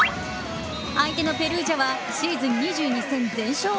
相手のペルージャはシーズン２２戦全勝。